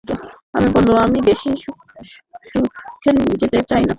আমি বললুম, আমি বেশি সূক্ষ্মে যেতে চাই নে, আমি মোটা কথাই বলব।